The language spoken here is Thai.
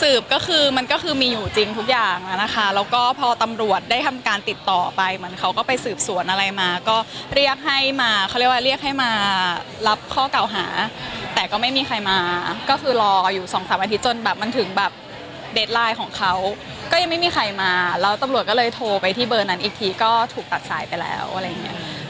ก็คือมันก็คือมีอยู่จริงทุกอย่างแล้วนะคะแล้วก็พอตำรวจได้ทำการติดต่อไปเหมือนเขาก็ไปสืบสวนอะไรมาก็เรียกให้มาเขาเรียกว่าเรียกให้มารับข้อเก่าหาแต่ก็ไม่มีใครมาก็คือรออยู่สองสามอาทิตยจนแบบมันถึงแบบเดสไลน์ของเขาก็ยังไม่มีใครมาแล้วตำรวจก็เลยโทรไปที่เบอร์นั้นอีกทีก็ถูกตัดสายไปแล้วอะไรอย่างเงี้ย